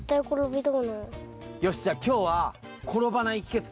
よしじゃあきょうはころばないひけつ